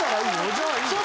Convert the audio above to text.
じゃあいいよ。